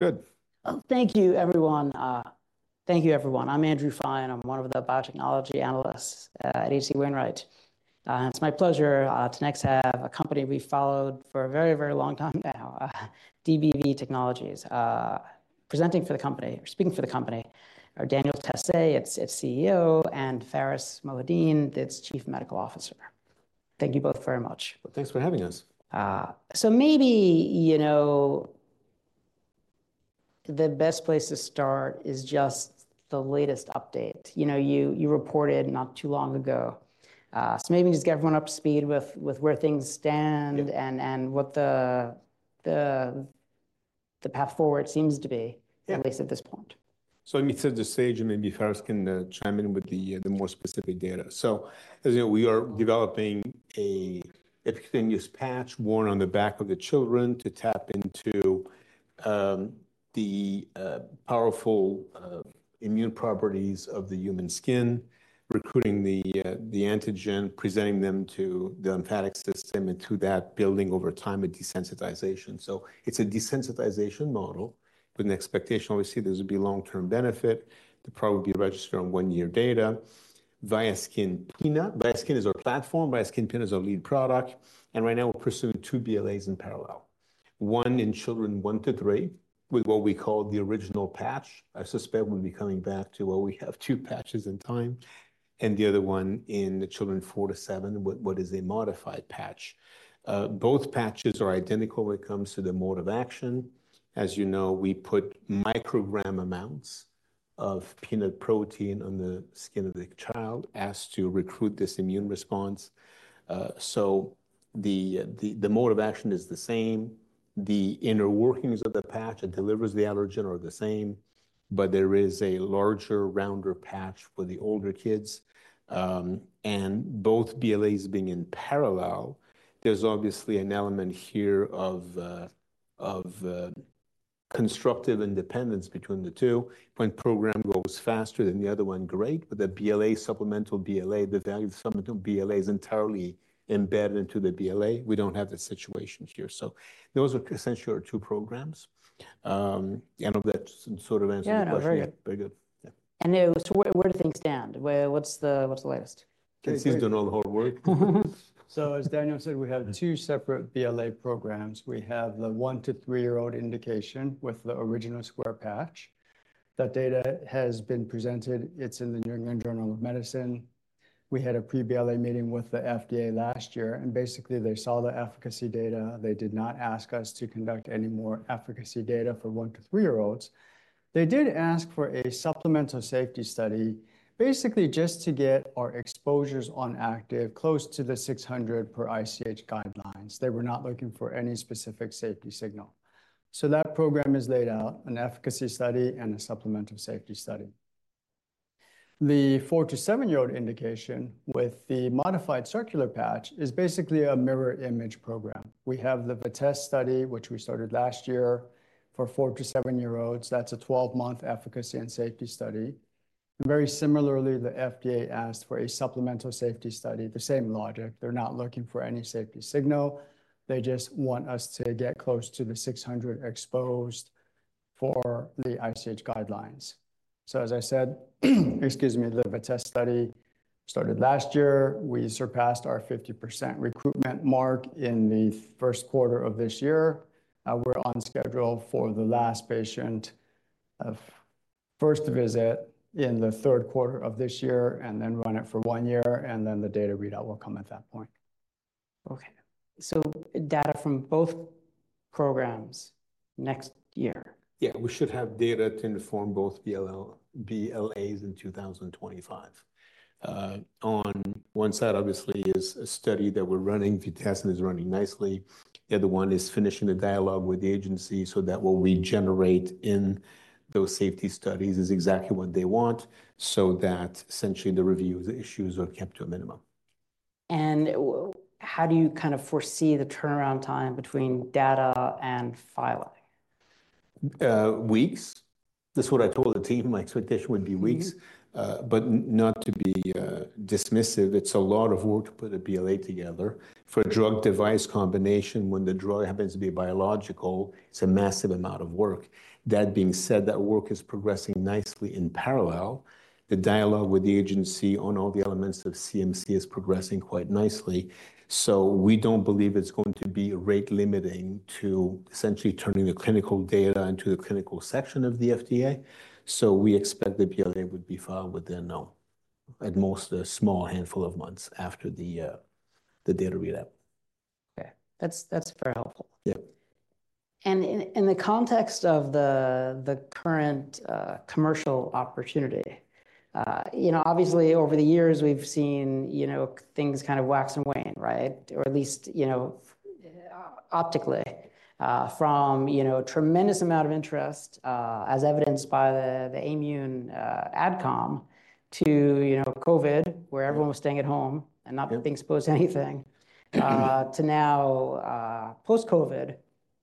Good. Thank you, everyone. Thank you, everyone. I'm Andrew Fein. I'm one of the Biotechnology Analysts at H.C. Wainwright. It's my pleasure to next have a company we've followed for a very, very long time now, DBV Technologies. Presenting for the company, or speaking for the company, are Daniel Tassé, its CEO, and Pharis Mohideen, its Chief Medical Officer. Thank you both very much. Thanks for having us. So maybe, you know, the best place to start is just the latest update. You know, you reported not too long ago. So maybe just get everyone up to speed with where things stand- Yeah... and what the path forward seems to be- Yeah - at least at this point. So let me set the stage, and maybe Pharis can chime in with the more specific data. So as you know, we are developing a cutaneous patch worn on the back of the children to tap into the powerful immune properties of the human skin, recruiting the antigen, presenting them to the lymphatic system, and through that, building over time a desensitization. So it's a desensitization model, with an expectation, obviously, there's will be long-term benefit, to probably be registered on one year data via VIASKIN Peanut. VIASKIN is our platform, VIASKIN Peanut is our lead product, and right now, we're pursuing two BLAs in parallel: one in children one to three, with what we call the original patch. I suspect we'll be coming back to, well, we have two patches in time, and the other one in the children four to seven, with what is a modified patch. Both patches are identical when it comes to the mode of action. As you know, we put microgram amounts of peanut protein on the skin of the child, asked to recruit this immune response. So the mode of action is the same. The inner workings of the patch that delivers the allergen are the same, but there is a larger, rounder patch for the older kids. And both BLAs being in parallel, there's obviously an element here of constructive independence between the two. When program goes faster than the other one, great, but the BLA, supplemental BLA, the value of the supplemental BLA is entirely embedded into the BLA. We don't have the situations here. Those are essentially our two programs. I hope that sort of answers your question. Yeah, very good. Very good. Yeah. And so where do things stand? Where, what's the, what's the latest? Pharis, you know the whole work. So as Daniel said, we have two separate BLA programs. We have the one to three year-old indication with the original square patch. That data has been presented. It's in the New England Journal of Medicine. We had a pre-BLA meeting with the FDA last year, and basically, they saw the efficacy data. They did not ask us to conduct any more efficacy data for one to three year-olds. They did ask for a supplemental safety study, basically just to get our exposures on active close to the 600 per ICH guidelines. They were not looking for any specific safety signal. So that program is laid out, an efficacy study and a supplemental safety study. The four to seven year-old indication with the modified circular patch is basically a mirror image program. We have the VITESSE study, which we started last year for four to seven year-olds. That's a 12-month efficacy and safety study. Very similarly, the FDA asked for a supplemental safety study, the same logic. They're not looking for any safety signal. They just want us to get close to the 600 exposed for the ICH guidelines. So as I said, excuse me, the VITESSE study started last year. We surpassed our 50% recruitment mark in the first quarter of this year. We're on schedule for the last patient of first visit in the third quarter of this year, and then run it for one year, and then the data readout will come at that point. Okay. So data from both programs next year? Yeah, we should have data to inform both BLAs in 2025. On one side, obviously, is a study that we're running, VITESSE is running nicely. The other one is finishing the dialogue with the agency, so that what we generate in those safety studies is exactly what they want, so that essentially the review, the issues are kept to a minimum. How do you kind of foresee the turnaround time between data and filing? Weeks. That's what I told the team. My expectation would be weeks but not to be dismissive, it's a lot of work to put a BLA together. For a drug device combination, when the drug happens to be biological, it's a massive amount of work. That being said, that work is progressing nicely in parallel. The dialogue with the agency on all the elements of CMC is progressing quite nicely, so we don't believe it's going to be rate limiting to essentially turning the clinical data into the clinical section of the FDA. So we expect the BLA would be filed within, at most, a small handful of months after the data readout. Okay. That's, that's very helpful. Yeah. In the context of the current commercial opportunity, you know, obviously, over the years, we've seen, you know, things kind of wax and wane, right? Or at least, you know, optically, from, you know, a tremendous amount of interest, as evidenced by the Aimmune Adcom to, you know, COVID, where everyone was staying at home. Yeah And not being exposed to anything, to now, post-COVID,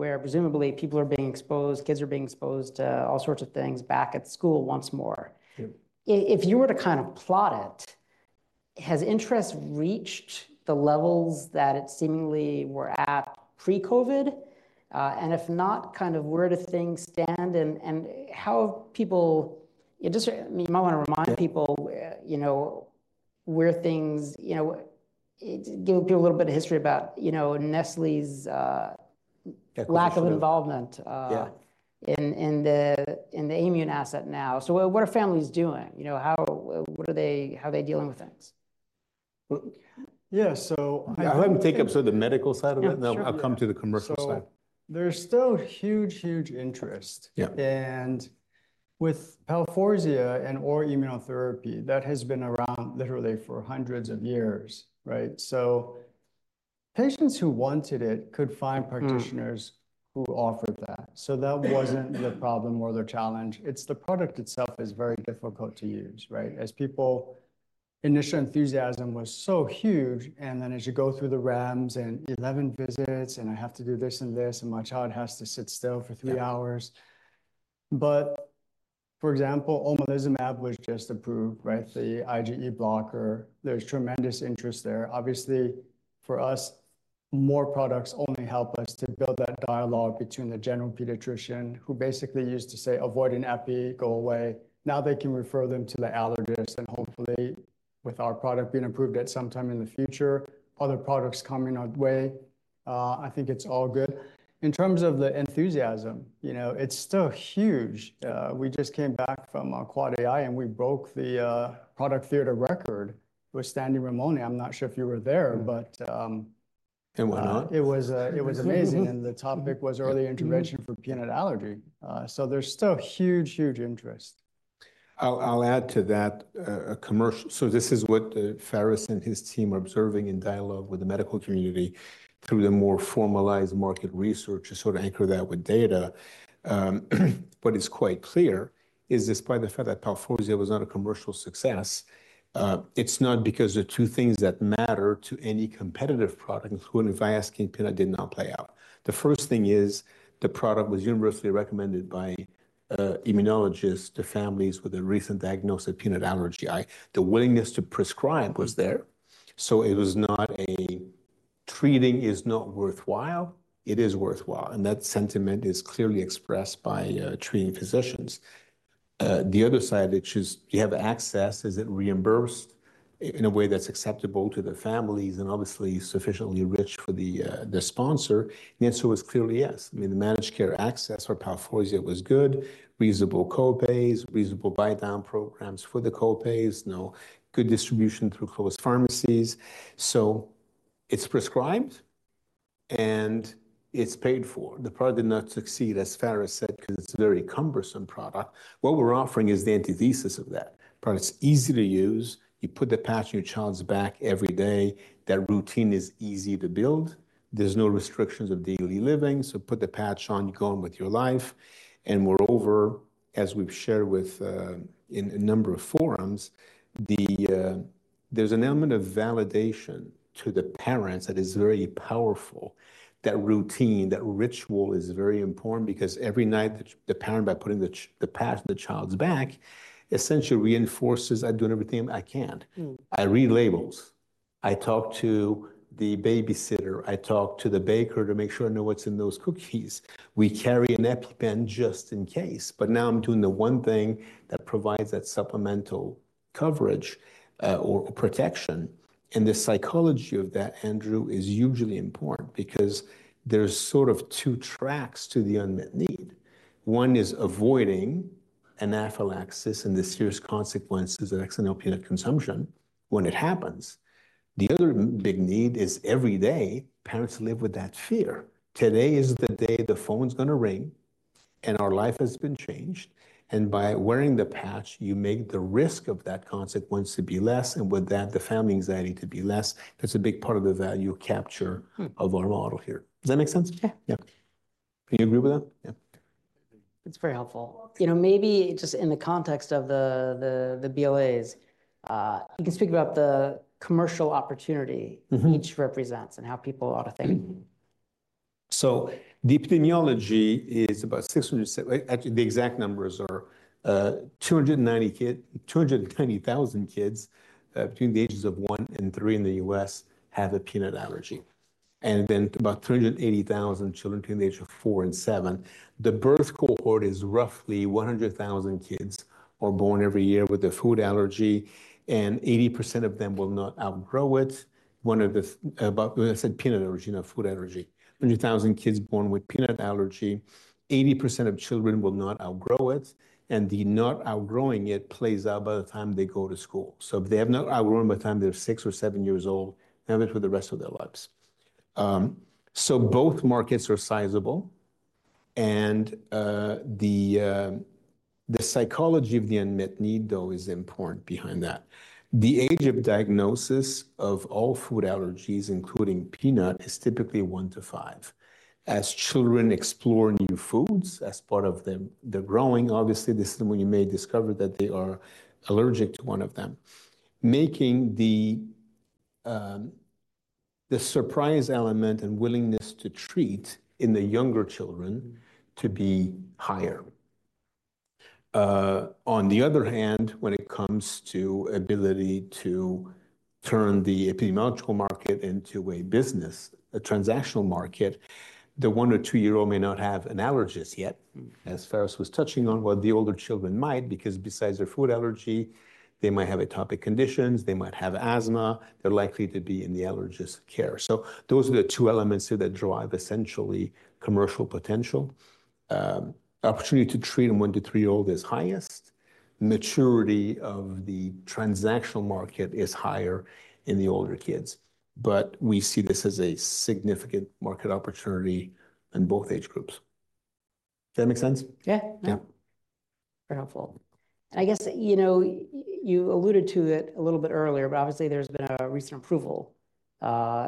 where presumably people are being exposed, kids are being exposed to all sorts of things back at school once more. Yeah. If you were to kind of plot it. Has interest reached the levels that it seemingly were at pre-COVID? And if not, kind of where do things stand and how people—it just, I mean, you might wanna remind people- Yeah. you know, where things, you know, give a little bit of history about, you know, Nestlé's lack of involvement. Yeah in the immune asset now. So what are families doing? You know, how are they dealing with things? Well, yeah, so I- Go ahead and take up sort of the medical side of that. Yeah, sure. I'll come to the commercial side. There's still huge, huge interest. Yeah. With Palforzia and or immunotherapy, that has been around literally for hundreds of years, right? So patients who wanted it could find practitioners who offered that. So that wasn't the problem or the challenge. It's the product itself is very difficult to use, right? As people, initial enthusiasm was so huge, and then as you go through the REMS and 11 visits, and I have to do this and this, and my child has to sit still for three hours. Yeah. But for example, omalizumab was just approved, right? The IgE blocker. There's tremendous interest there. Obviously, for us, more products only help us to build that dialogue between the general pediatrician, who basically used to say, "Avoid an epi, go away." Now they can refer them to the allergist, and hopefully, with our product being approved at some time in the future, other products coming our way, I think it's all good. In terms of the enthusiasm, you know, it's still huge. We just came back from Quad AI, and we broke the product theater record with standing room only. I'm not sure if you were there, but, I was not. It was, it was amazing, and the topic was early intervention for peanut allergy. So there's still huge, huge interest. I'll add to that. So this is what Pharis and his team are observing in dialogue with the medical community through the more formalized market research to sort of anchor that with data. What is quite clear is despite the fact that Palforzia was not a commercial success, it's not because the two things that matter to any competitive product including VIASKIN Peanut did not play out. The first thing is the product was universally recommended by immunologists to families with a recent diagnosis of peanut allergy. The willingness to prescribe was there, so it was not a treating is not worthwhile. It is worthwhile, and that sentiment is clearly expressed by treating physicians. The other side, which is you have access, is it reimbursed in a way that's acceptable to the families and obviously sufficiently rich for the sponsor? The answer was clearly yes. I mean, the managed care access for Palforzia was good, reasonable copays, reasonable buydown programs for the copays, and good distribution through closed pharmacies. So it's prescribed, and it's paid for. The product did not succeed, as Pharis said, because it's a very cumbersome product. What we're offering is the antithesis of that. Product's easy to use. You put the patch on your child's back every day. That routine is easy to build. There's no restrictions of daily living, so put the patch on, you go on with your life. And moreover, as we've shared with in a number of forums, the, there's an element of validation to the parents that is very powerful. That routine, that ritual is very important because every night, the parent, by putting the patch on the child's back, essentially reinforces, "I'm doing everything I can. Mm. I read labels. I talk to the babysitter. I talk to the baker to make sure I know what's in those cookies. We carry an EpiPen just in case, but now I'm doing the one thing that provides that supplemental coverage, or protection." And the psychology of that, Andrew, is usually important because there's sort of two tracks to the unmet need. One is avoiding anaphylaxis and the serious consequences of accidental peanut consumption when it happens. The other big need is every day parents live with that fear. Today is the day the phone's gonna ring, and our life has been changed, and by wearing the patch, you make the risk of that consequence to be less, and with that, the family anxiety to be less. That's a big part of the value capture- Mm. of our model here. Does that make sense? Yeah. Yeah. Do you agree with that? Yeah. It's very helpful. You know, maybe just in the context of the BLAs, you can speak about the commercial opportunity- Mm-hmm. each represents and how people ought to think. So the epidemiology is about 600. Actually, the exact numbers are 290,000 kids between the ages of one and three in the U.S. have a peanut allergy, and then about 380,000 children between the age of 4 and 7. The birth cohort is roughly 100,000 kids are born every year with a food allergy, and 80% of them will not outgrow it. One of the, When I said peanut allergy, no, food allergy. 100,000 kids born with peanut allergy, 80% of children will not outgrow it, and the not outgrowing it plays out by the time they go to school. So if they have not outgrown by the time they're six or seven years old, they have it for the rest of their lives. So both markets are sizable, and the psychology of the unmet need, though, is important behind that. The age of diagnosis of all food allergies, including peanut, is typically one to five. As children explore new foods as part of the growing, obviously, this is when you may discover that they are allergic to one of them, making the surprise element and willingness to treat in the younger children to be higher. On the other hand, when it comes to ability to turn the epidemiological market into a business, a transactional market, the one or two year-old may not have an allergist yet, as Pharis was touching on, while the older children might, because besides their food allergy, they might have atopic conditions, they might have asthma, they're likely to be in the allergist care. So those are the two elements that drive essentially commercial potential. Opportunity to treat a one to three year-old is highest. Maturity of the transactional market is higher in the older kids, but we see this as a significant market opportunity in both age groups. Does that make sense? Yeah. Yeah. Very helpful. I guess, you know, you alluded to it a little bit earlier, but obviously there's been a recent approval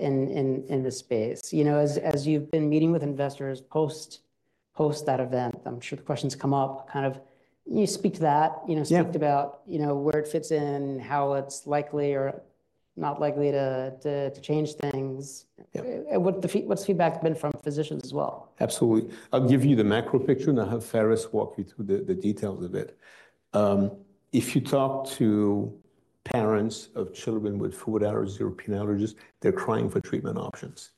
in this space. You know, as you've been meeting with investors post that event, I'm sure the questions come up, kind of, can you speak to that? Yeah. You know, speak about, you know, where it fits in, how it's likely or not likely to change things. Yeah. What's the feedback been from physicians as well? Absolutely. I'll give you the macro picture, and I'll have Pharis walk you through the details of it. If you talk to parents of children with food allergies or peanut allergies, they're crying for treatment options,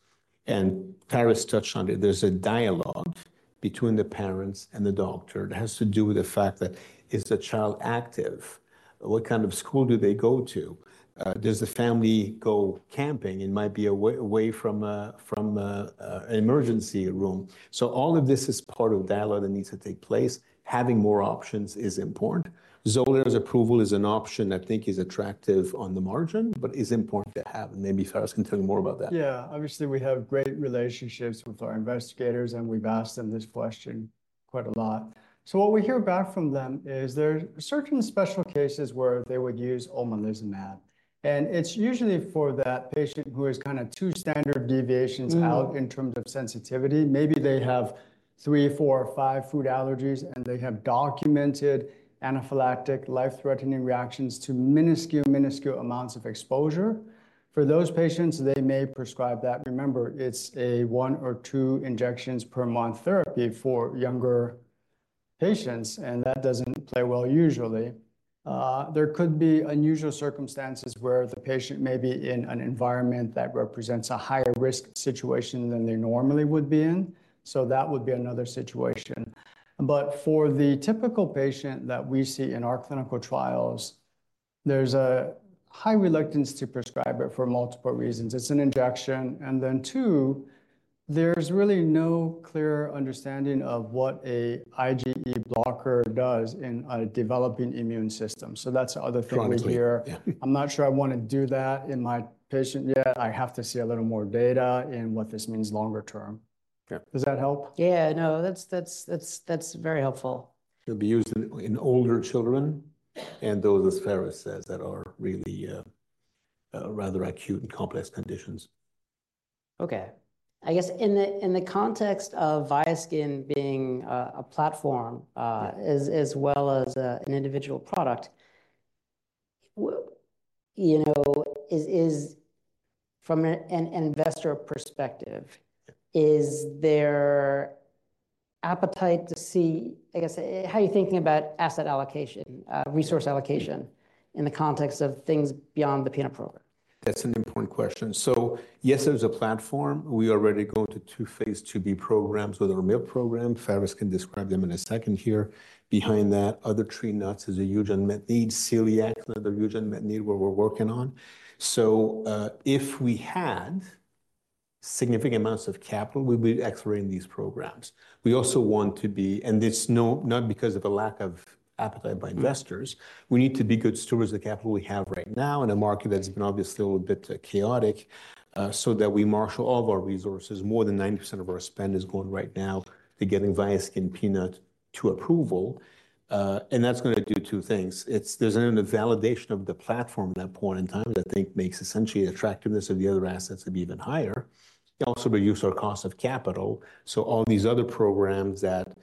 and Pharis touched on it. There's a dialogue between the parents and the doctor. It has to do with the fact that, is the child active? What kind of school do they go to? Does the family go camping? It might be away from an emergency room. So all of this is part of dialogue that needs to take place. Having more options is important. Xolair's approval is an option I think is attractive on the margin, but is important to have, and maybe Pharis can tell you more about that. Yeah. Obviously, we have great relationships with our investigators, and we've asked them this question quite a lot. So what we hear back from them is there are certain special cases where they would use omalizumab, and it's usually for that patient who is kinda two standard deviations- Mm-hmm... out in terms of sensitivity. Maybe they have three, four, or five food allergies, and they have documented anaphylactic life-threatening reactions to minuscule, minuscule amounts of exposure. For those patients, they may prescribe that. Remember, it's a one or two injections per month therapy for younger patients, and that doesn't play well usually. There could be unusual circumstances where the patient may be in an environment that represents a higher risk situation than they normally would be in, so that would be another situation. But for the typical patient that we see in our clinical trials, there's a high reluctance to prescribe it for multiple reasons. It's an injection, and then two, there's really no clear understanding of what an IgE blocker does in a developing immune system. So that's the other thing we hear. Chronically. Yeah. I'm not sure I want to do that in my patient yet. I have to see a little more data in what this means longer term. Yeah. Does that help? Yeah, no, that's very helpful. It'll be used in older children and those, as Pharis says, that are really rather acute and complex conditions. Okay. I guess in the context of VIASKIN being a platform. Yeah As well as an individual product, you know, is from an investor perspective- Is there appetite to see? I guess, how are you thinking about asset allocation, resource allocation in the context of things beyond the peanut program? That's an important question. So yes, there's a platform. We already go to two phase IIb programs with our milk program. Pharis can describe them in a second here. Behind that, other tree nuts is a huge unmet need. Celiac, another huge unmet need where we're working on. So, if we had significant amounts of capital, we'd be accelerating these programs. We also want to be and it's not because of a lack of appetite by investors, we need to be good stewards of the capital we have right now in a market that's been obviously a little bit chaotic, so that we marshal all of our resources. More than 90% of our spend is going right now to getting VIASKIN Peanut to approval, and that's gonna do two things. It's a validation of the platform at that point in time that I think makes essentially the attractiveness of the other assets to be even higher. It'll also reduce our cost of capital, so all these other programs that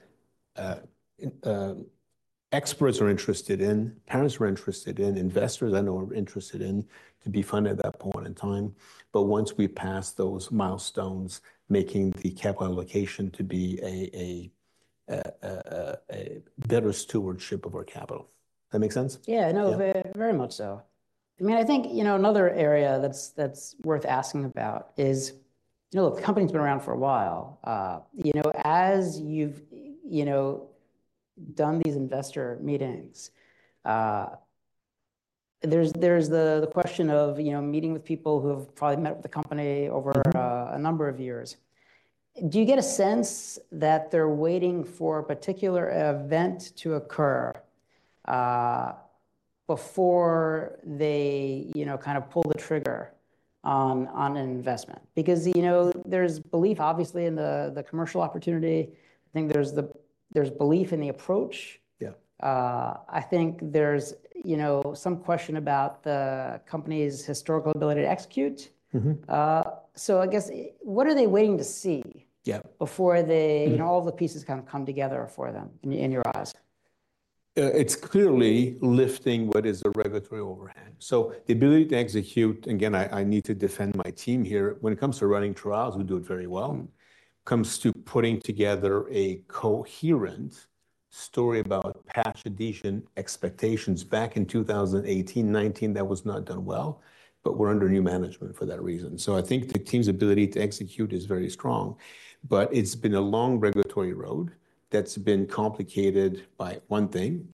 experts are interested in, parents are interested in, investors I know are interested in, to be funded at that point in time. But once we pass those milestones, making the capital allocation to be a better stewardship of our capital. Does that make sense? Yeah- Yeah No, very, very much so. I mean, I think, you know, another area that's worth asking about is, you know, the company's been around for a while. You know, as you've done these investor meetings, there's the question of, you know, meeting with people who've probably met with the company over... Mm-hmm... a number of years. Do you get a sense that they're waiting for a particular event to occur, before they, you know, kind of pull the trigger on an investment? Because, you know, there's belief, obviously, in the commercial opportunity. I think there's belief in the approach. Yeah. I think there's, you know, some question about the company's historical ability to execute. Mm-hmm. I guess, what are they waiting to see? Yeah... before they- Mm-hmm... you know, all the pieces kind of come together for them in, in your eyes? It's clearly lifting what is a regulatory overhang. So the ability to execute, again, I need to defend my team here. When it comes to running trials, we do it very well. When it comes to putting together a coherent story about patch adhesion expectations back in 2018, 2019, that was not done well, but we're under new management for that reason. So I think the team's ability to execute is very strong, but it's been a long regulatory road that's been complicated by one thing,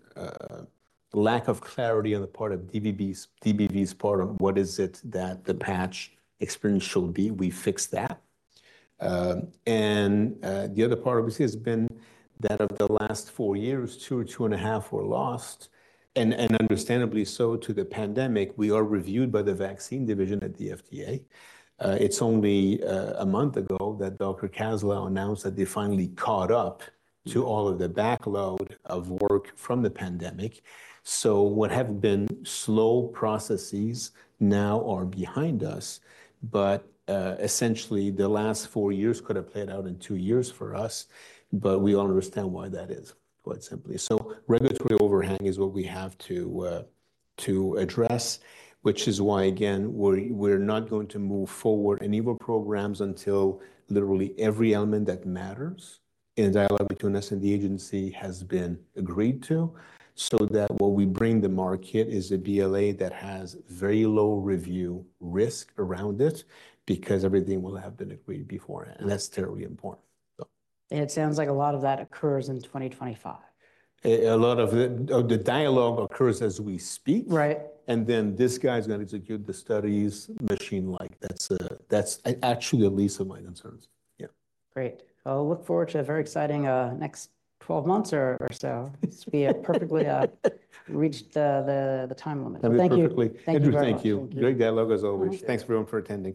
lack of clarity on the part of DBV's part of what is it that the patch experience should be? We fixed that. And the other part, obviously, has been that of the last four years, two or 2.5 were lost, and understandably so to the pandemic. We are reviewed by the vaccine division at the FDA. It's only a month ago that Dr. Kaslow announced that they finally caught up to all of the backlog of work from the pandemic. So what have been slow processes now are behind us, but essentially, the last four years could have played out in two years for us, but we all understand why that is, quite simply. So regulatory overhang is what we have to to address, which is why, again, we're not going to move forward any more programs until literally every element that matters in dialogue between us and the agency has been agreed to, so that what we bring the market is a BLA that has very low review risk around it because everything will have been agreed beforehand, and that's terribly important, so. It sounds like a lot of that occurs in 2025. A lot of it, the dialogue occurs as we speak. Right. And then this guy's going to execute the studies machine-like. That's actually the least of my concerns. Yeah. Great. I'll look forward to a very exciting next 12 months or so. We have perfectly reached the time limit. Thank you. Perfectly. Andrew, thank you. Great dialogue, as always. Thanks, everyone, for attending.